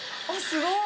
◆すごい。